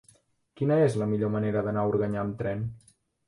Quina és la millor manera d'anar a Organyà amb tren?